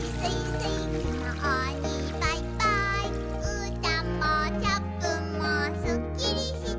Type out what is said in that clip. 「うーたんもチャップンもスッキリして」